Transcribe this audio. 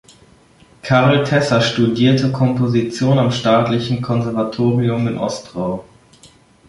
Karel Tesar studierte Komposition am Staatlichen Konservatorium in Ostrau.